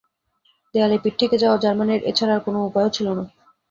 দেয়ালে পিঠ ঠেকে যাওয়া জার্মানির এ ছাড়া আর উপায়ও ছিল না।